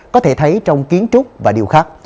có thể thấy trong kiến trúc và điều khác